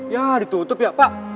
ya ditutup ya pak